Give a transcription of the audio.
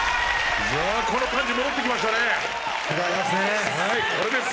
この感じ戻ってきましたねぇこれです！